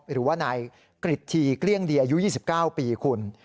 หรือว่านายกริจทีเกลี้ยงดีอายุ๒๙ปีคุณ